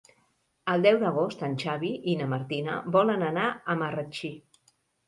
El deu d'agost en Xavi i na Martina volen anar a Marratxí.